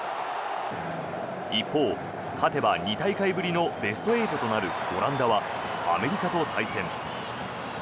一方、勝てば２大会ぶりのベスト８となるオランダはアメリカと対戦。